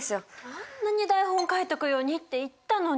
あんなに台本書いとくようにって言ったのに。